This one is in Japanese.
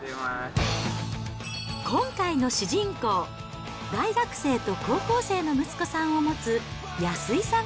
今回の主人公、大学生と高校生の息子さんを持つ安井さん